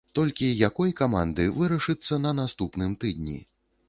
Толькі якой каманды, вырашыцца на наступным тыдні.